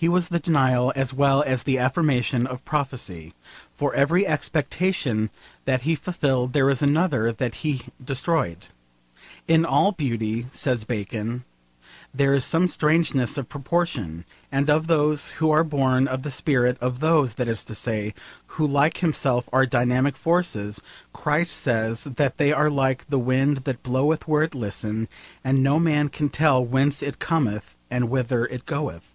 He was the denial as well as the affirmation of prophecy. For every expectation that he fulfilled there was another that he destroyed. 'In all beauty,' says Bacon, 'there is some strangeness of proportion,' and of those who are born of the spirit of those, that is to say, who like himself are dynamic forces Christ says that they are like the wind that 'bloweth where it listeth, and no man can tell whence it cometh and whither it goeth.'